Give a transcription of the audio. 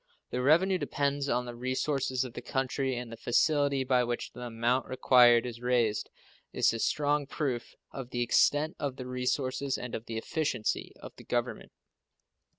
The revenue depends on the resources of the country, and the facility by which the amount required is raised is a strong proof of the extent of the resources and of the efficiency of the Government.